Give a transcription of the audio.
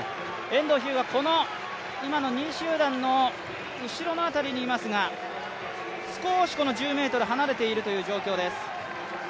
遠藤日向、この今の２位集団の後ろの辺りにいますが少し１０ｍ離れているという状況です。